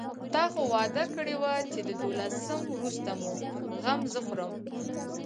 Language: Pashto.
تا خو وعده کړې وه چې د دولسم وروسته مو غم زه خورم.